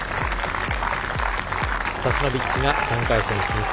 サスノビッチが３回戦進出。